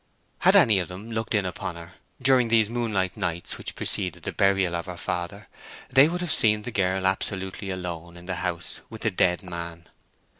Had any of them looked in upon her during those moonlight nights which preceded the burial of her father, they would have seen the girl absolutely alone in the house with the dead man.